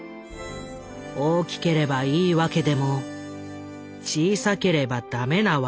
大きければいい訳でも小さければダメな訳でもない」。